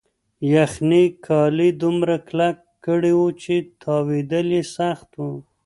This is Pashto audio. یخنۍ کالي دومره کلک کړي وو چې تاوېدل یې سخت وو.